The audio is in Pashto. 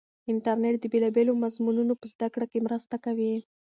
انټرنیټ د بېلابېلو مضمونو په زده کړه کې مرسته کوي.